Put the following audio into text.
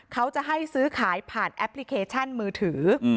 เขาจะให้ซื้อขายผ่านแอปพลิเคชันมือถือ